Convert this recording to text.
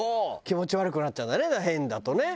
気持ち悪くなっちゃうんだね変だとね。